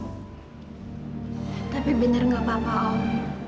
tapi bener gak papa om